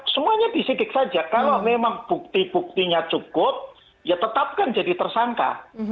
semuanya disidik saja kalau memang bukti buktinya cukup ya tetapkan jadi tersangka